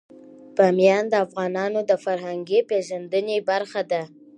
بامیان د افغانانو د فرهنګي پیژندنې برخه ده.